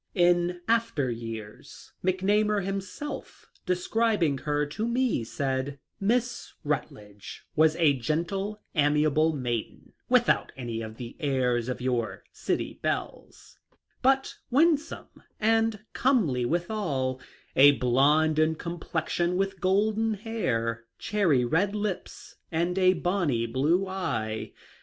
In after years, McNamar himself, describing her to me, said :" Miss Rutledge was a gentle, amiable maiden, without any of the airs of your city belles, but winsome and comely withal ; a blonde in com plexion, with golden hair, cherry red lips, and a bonny blue eye.